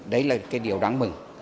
đấy là cái điều đáng mừng